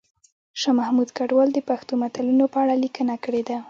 شاه محمود کډوال د پښتو متلونو په اړه لیکنه کړې ده